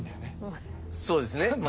そうですね。